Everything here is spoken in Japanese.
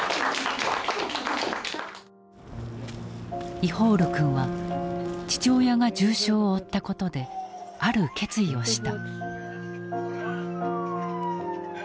イホール君は父親が重傷を負ったことである決意をした。